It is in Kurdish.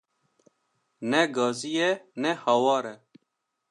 Ne gazî ye ne hawar e